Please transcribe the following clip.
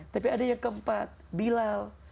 tapi ada yang keempat bilal